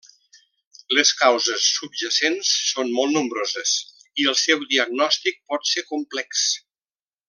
Les causes subjacents són molt nombroses, i el seu diagnòstic pot ser complex.